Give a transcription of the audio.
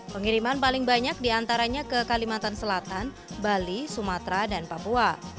pengiriman paling banyak diantaranya ke kalimantan selatan bali sumatera dan papua